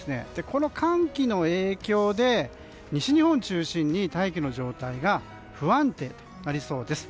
この寒気の影響で西日本中心に大気の状態が不安定となりそうです。